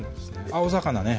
青魚ね